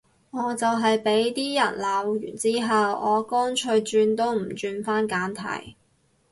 我就係畀啲人鬧完之後，我乾脆轉都唔轉返簡體